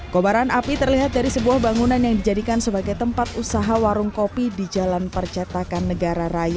kobaran api terlihat dari sebuah bangunan yang dijadikan sebagai tempat usaha warung kopi di jalan percetakan negara raya